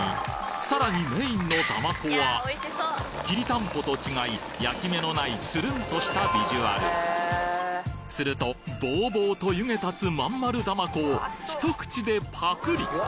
さらにメインのだまこはきりたんぽと違い焼き目のないツルンとしたビジュアルするとボウボウと湯気たつまん丸だまこを一口でパクリ！